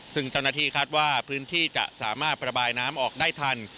ซึ่งเจ้าหน้าที่คาดว่าพื้นที่จะสามารถประบายน้ำออกได้ทัน